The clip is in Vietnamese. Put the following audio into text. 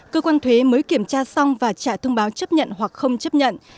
cơ quan thuế mới kiểm tra xong và trả thông báo chấp nhận hoặc không chấp nhận